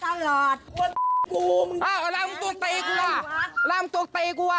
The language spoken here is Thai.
อะไรมนุ่มตัวตีกูแหละอะไรมนูตัวตีกูอะ